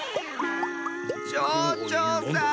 ちょうちょうさん。